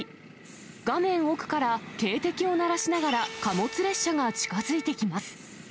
画面奥から警笛を鳴らしながら貨物列車が近づいてきます。